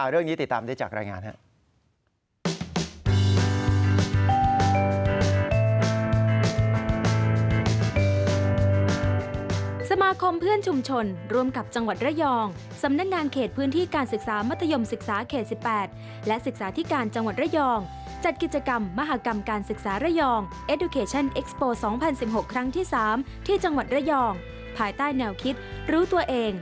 เรื่องนี้ติดตามได้จากรายงานครับ